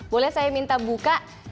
boleh saya minta buka